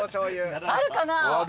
あるかな？